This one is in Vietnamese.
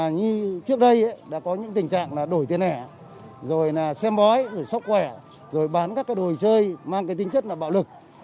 như trước đây đã có những tình trạng đổi tiền hẻ xem bói sốc quẻ bán các đồi chơi mang tính chất bạo lực